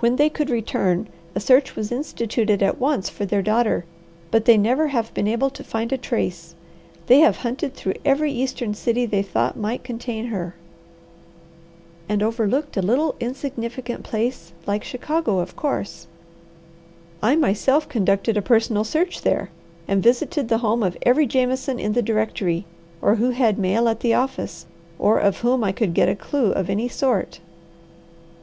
When they could return, a search was instituted at once for their daughter, but they never have been able to find a trace. They have hunted through every eastern city they thought might contain her." "And overlooked a little insignificant place like Chicago, of course." "I myself conducted a personal search there, and visited the home of every Jameson in the directory or who had mail at the office or of whom I could get a clue of any sort."